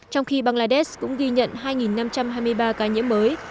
trong khi bangladesh cũng ghi nhận hai năm trăm hai mươi ba ca nhiễm mới